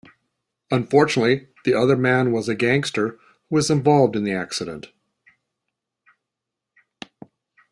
Unfortunately, the other man was a gangster who was involved in the accident.